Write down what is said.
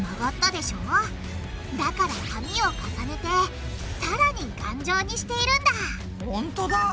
だから紙を重ねてさらに頑丈にしているんだほんとだ。